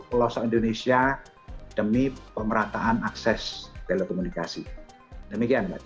kesempatan kita terus mendirikan dan babysat ramai ramai jika bass